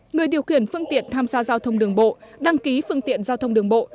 người điều khiển phương tiện tham gia giao thông đường bộ đăng ký phương tiện giao thông đường bộ